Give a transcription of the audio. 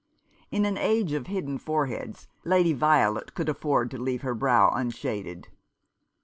In an age of hidden foreheads, Lady Violet could afford to leave her brow unshaded.